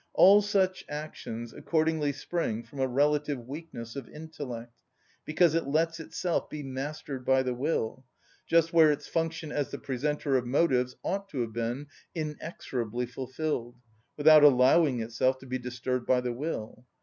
All such actions accordingly spring from a relative weakness of intellect, because it lets itself be mastered by the will, just where its function as the presenter of motives ought to have been inexorably fulfilled, without allowing itself to be disturbed by the will.